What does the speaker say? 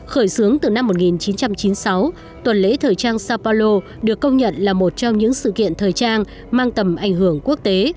khởi xướng từ năm một nghìn chín trăm chín mươi sáu tuần lễ thời trang sao paulo được công nhận là một trong những sự kiện thời trang mang tầm ảnh hưởng quốc tế